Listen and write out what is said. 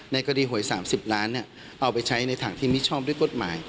ในคดีหวย๓๐ล้านเอาไปใช้ในถังที่มิชอบด้วยกฎหมาย